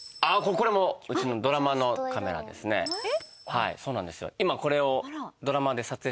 はいそうなんですよ。えっ！